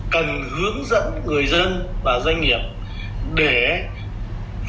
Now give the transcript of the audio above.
cần hướng dẫn người dân và doanh nghiệp